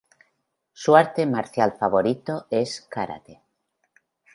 Su arte marcial favorito es karate.